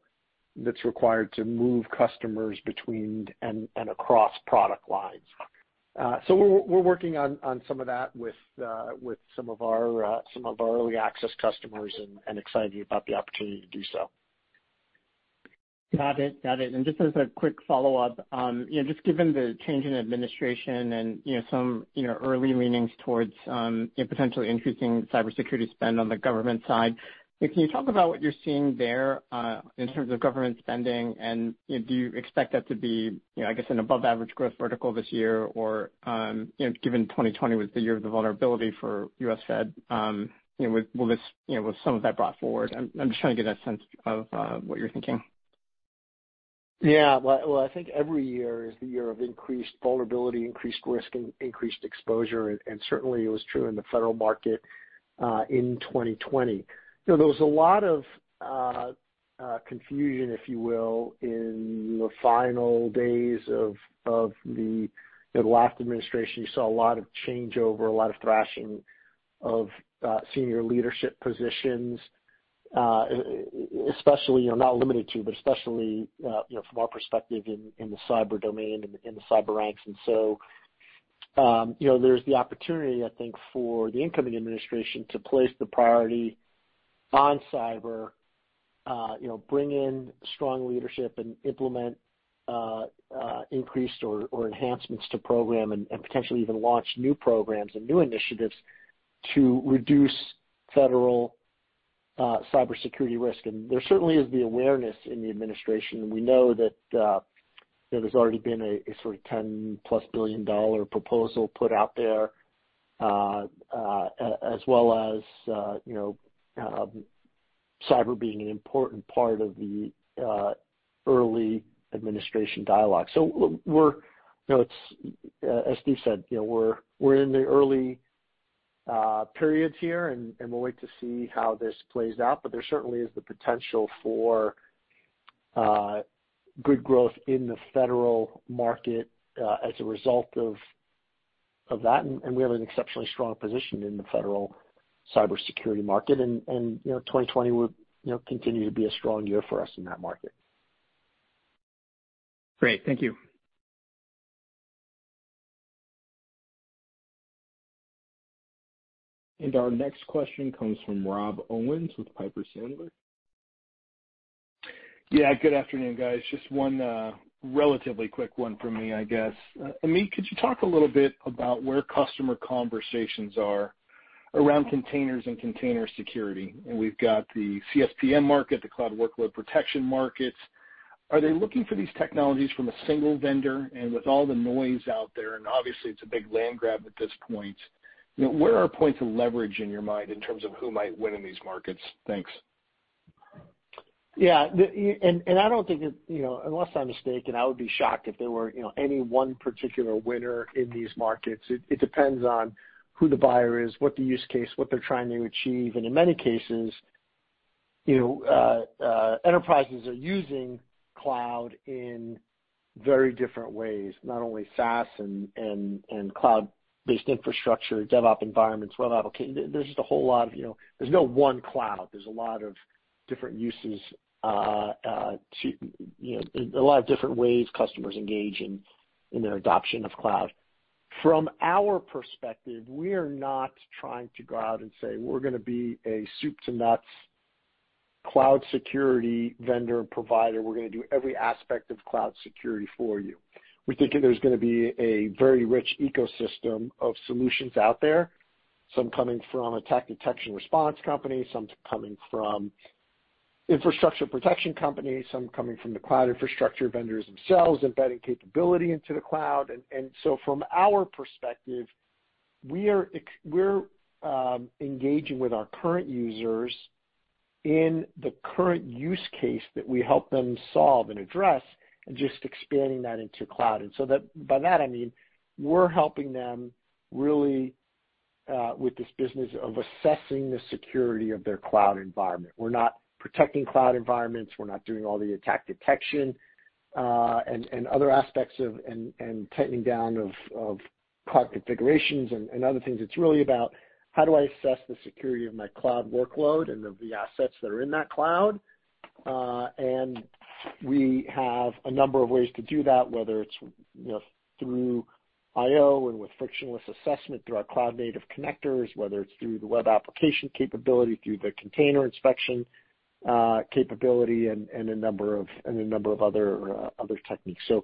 that's required to move customers between and across product lines?" So we're working on some of that with some of our early access customers, and excited about the opportunity to do so. Got it. Got it. And just as a quick follow-up, just given the change in administration and some early leanings towards potentially increasing cybersecurity spend on the government side, can you talk about what you're seeing there in terms of government spending, and do you expect that to be, I guess, an above-average growth vertical this year? Or given 2020 was the year of the vulnerability for U.S. Fed, with some of that brought forward, I'm just trying to get a sense of what you're thinking. Yeah. Well, I think every year is the year of increased vulnerability, increased risk, and increased exposure, and certainly, it was true in the federal market in 2020. There was a lot of confusion, if you will, in the final days of the last administration. You saw a lot of changeover, a lot of thrashing of senior leadership positions, not limited to, but especially from our perspective in the cyber domain and the cyber ranks. And so there's the opportunity, I think, for the incoming administration to place the priority on cyber, bring in strong leadership, and implement increased or enhancements to program and potentially even launch new programs and new initiatives to reduce federal cybersecurity risk. There certainly is the awareness in the administration. We know that there's already been a sort of $10 plus billion proposal put out there, as well as cyber being an important part of the early administration dialogue. So as Steve said, we're in the early periods here, and we'll wait to see how this plays out, but there certainly is the potential for good growth in the federal market as a result of that. And we have an exceptionally strong position in the federal cybersecurity market, and 2020 will continue to be a strong year for us in that market. Great. Thank you. And our next question comes from Rob Owens with Piper Sandler. Yeah. Good afternoon, guys. Just one relatively quick one for me, I guess. Amit, could you talk a little bit about where customer conversations are around containers and container security? And we've got the CSPM market, the cloud workload protection markets. Are they looking for these technologies from a single vendor? And with all the noise out there, and obviously, it's a big land grab at this point, where are points of leverage in your mind in terms of who might win in these markets? Thanks. Yeah. And I don't think, unless I'm mistaken, I would be shocked if there were any one particular winner in these markets. It depends on who the buyer is, what the use case, what they're trying to achieve. And in many cases, enterprises are using cloud in very different ways, not only SaaS and cloud-based infrastructure, DevOps environments, web applications. There's just a whole lot of. There's no one cloud. There's a lot of different uses, a lot of different ways customers engage in their adoption of cloud. From our perspective, we are not trying to go out and say, "We're going to be a soup-to-nuts cloud security vendor provider. We're going to do every aspect of cloud security for you." We think there's going to be a very rich ecosystem of solutions out there, some coming from attack detection response companies, some coming from infrastructure protection companies, some coming from the cloud infrastructure vendors themselves, embedding capability into the cloud. And so from our perspective, we're engaging with our current users in the current use case that we help them solve and address and just expanding that into cloud. And so by that, I mean we're helping them really with this business of assessing the security of their cloud environment. We're not protecting cloud environments. We're not doing all the attack detection and other aspects and tightening down of cloud configurations and other things. It's really about, "How do I assess the security of my cloud workload and the assets that are in that cloud?" And we have a number of ways to do that, whether it's through IO and with frictionless assessment through our cloud-native connectors, whether it's through the web application capability, through the container inspection capability, and a number of other techniques. So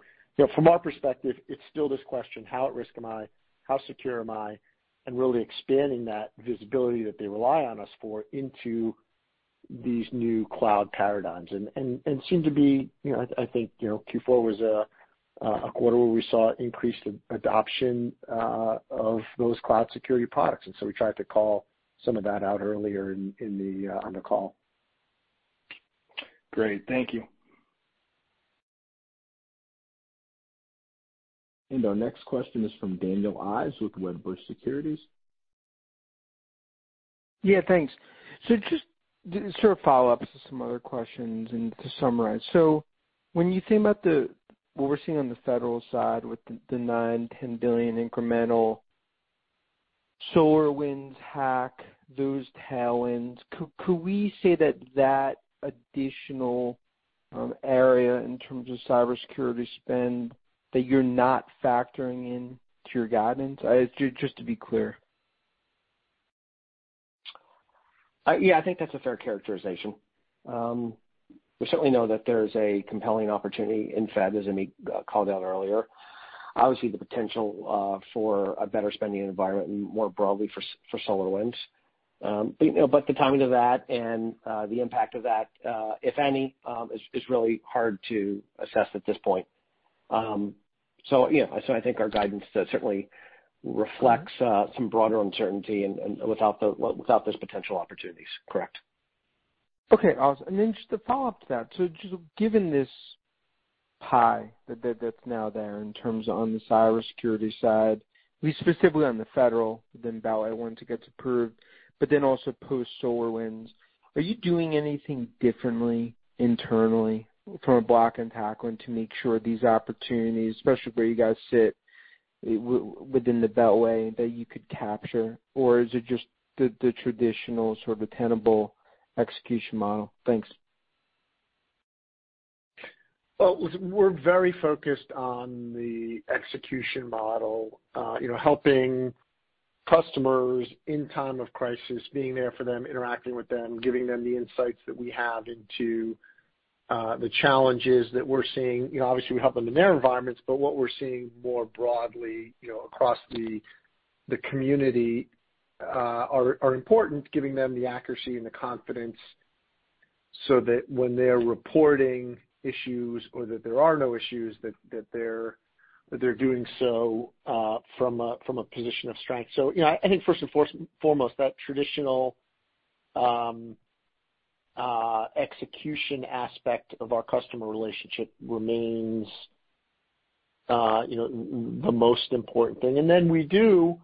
from our perspective, it's still this question, "How at risk am I? How secure am I?" And really expanding that visibility that they rely on us for into these new cloud paradigms. And it seemed to be, I think, Q4 was a quarter where we saw increased adoption of those cloud security products. And so we tried to call some of that out earlier on the call. Great. Thank you. And our next question is from Daniel Ives with Wedbush Securities. Yeah. Thanks. So just sort of follow-ups to some other questions and to summarize. When you think about what we're seeing on the federal side with the $9 to 10 billion incremental SolarWinds hack, those tailwinds, could we say that that additional area in terms of cybersecurity spend that you're not factoring into your guidance? Just to be clear. Yeah. I think that's a fair characterization. We certainly know that there is a compelling opportunity in Fed, as Amit called out earlier. Obviously, the potential for a better spending environment more broadly for SolarWinds. But the timing of that and the impact of that, if any, is really hard to assess at this point. So yeah, I think our guidance certainly reflects some broader uncertainty without those potential opportunities. Correct. Okay. Awesome. And then just to follow up to that, so given this pie that's now there in terms of on the cybersecurity side, specifically on the federal, then Beltway wanted to get approved, but then also post-SolarWinds, are you doing anything differently internally from a block and tackle to make sure these opportunities, especially where you guys sit within the Beltway, that you could capture? Or is it just the traditional sort of Tenable execution model? Thanks. Well, we're very focused on the execution model, helping customers in time of crisis, being there for them, interacting with them, giving them the insights that we have into the challenges that we're seeing. Obviously, we help them in their environments, but what we're seeing more broadly across the community are important, giving them the accuracy and the confidence so that when they're reporting issues or that there are no issues, that they're doing so from a position of strength. So I think first and foremost, that traditional execution aspect of our customer relationship remains the most important thing. And then we do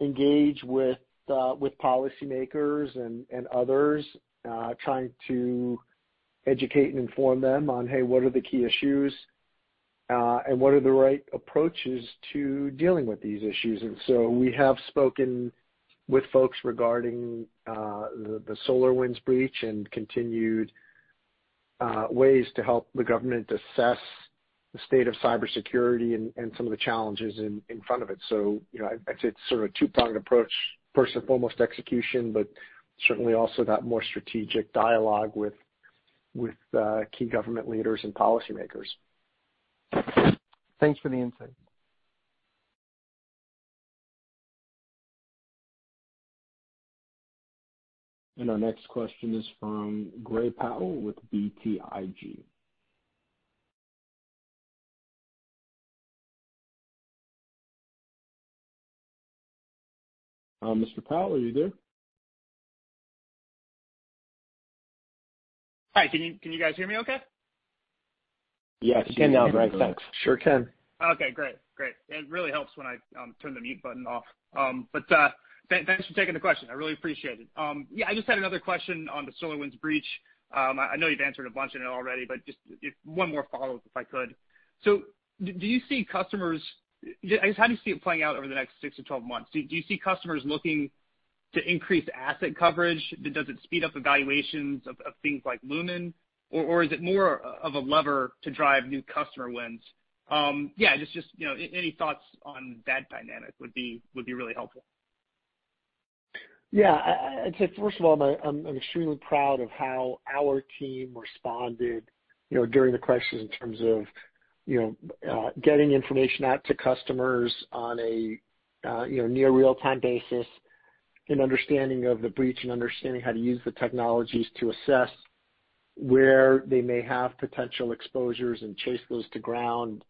engage with policymakers and others trying to educate and inform them on, "Hey, what are the key issues and what are the right approaches to dealing with these issues?" And so we have spoken with folks regarding the SolarWinds breach and continued ways to help the government assess the state of cybersecurity and some of the challenges in front of it. So I'd say it's sort of a two-pronged approach, first and foremost execution, but certainly also that more strategic dialogue with key government leaders and policymakers. Thanks for the insight. And our next question is from Gray Powell with BTIG. Mr. Powell, are you there? Hi. Can you guys hear me okay? Yes. You can now, Gray. Thanks. Sure can. Okay. Great. Great. It really helps when I turn the mute button off. But thanks for taking the question. I really appreciate it. Yeah. I just had another question on the SolarWinds breach. I know you've answered a bunch of it already, but just one more follow-up, if I could. So do you see customers I guess, how do you see it playing out over the next six to 12 months? Do you see customers looking to increase asset coverage? Does it speed up evaluations of things like Lumin? Or is it more of a lever to drive new customer wins? Yeah. Just any thoughts on that dynamic would be really helpful. Yeah. I'd say, first of all, I'm extremely proud of how our team responded during the crisis in terms of getting information out to customers on a near real-time basis and understanding of the breach and understanding how to use the technologies to assess where they may have potential exposures and chase those to ground,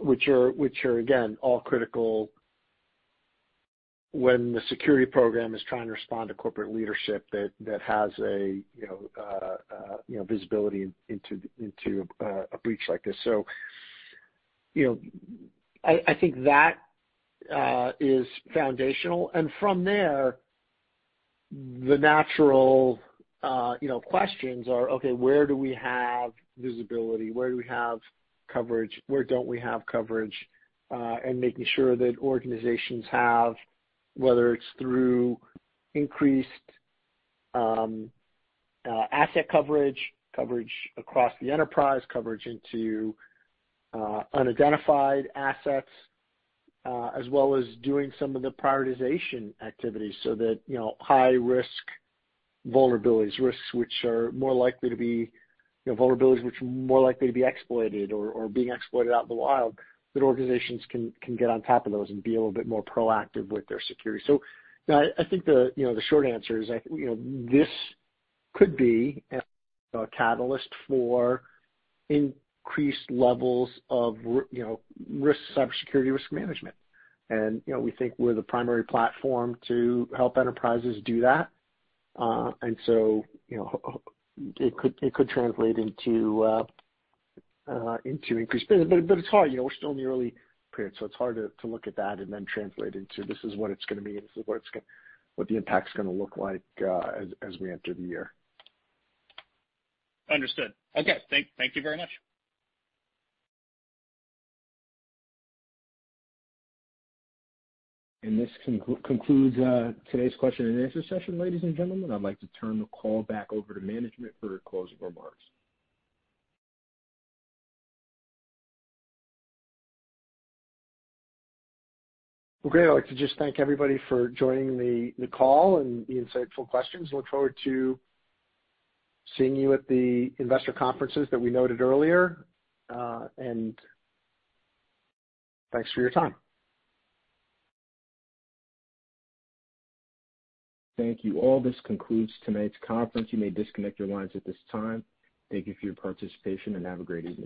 which are, again, all critical when the security program is trying to respond to corporate leadership that has a visibility into a breach like this. So I think that is foundational, and from there, the natural questions are, "Okay. Where do we have visibility? Where do we have coverage? Where don't we have coverage?", and making sure that organizations have, whether it's through increased asset coverage, coverage across the enterprise, coverage into unidentified assets, as well as doing some of the prioritization activities so that high-risk vulnerabilities, risks which are more likely to be vulnerabilities which are more likely to be exploited or being exploited out in the wild, that organizations can get on top of those and be a little bit more proactive with their security, so I think the short answer is this could be a catalyst for increased levels of cybersecurity risk management, and we think we're the primary platform to help enterprises do that, and so it could translate into increased business, but it's hard, we're still in the early period, so it's hard to look at that and then translate into, "This is what it's going to be. This is what the impact's going to look like as we enter the year." Understood. Okay. Thank you very much And this concludes today's question and answer session, ladies and gentlemen. I'd like to turn the call back over to management for closing remarks. Okay. I'd like to just thank everybody for joining the call and the insightful questions. Look forward to seeing you at the investor conferences that we noted earlier and thanks for your time. Thank you all. This concludes tonight's conference. You may disconnect your lines at this time. Thank you for your participation and have a great evening.